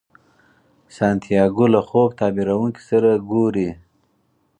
سانتیاګو له خوب تعبیرونکي سره ګوري.